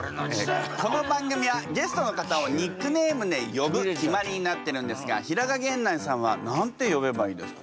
この番組はゲストの方をニックネームで呼ぶ決まりになってるんですが平賀源内さんは何て呼べばいいですか？